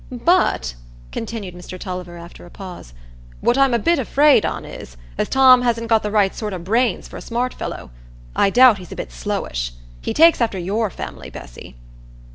But," continued Mr Tulliver after a pause, "what I'm a bit afraid on is, as Tom hasn't got the right sort o' brains for a smart fellow. I doubt he's a bit slowish. He takes after your family, Bessy."